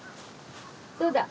どうだ？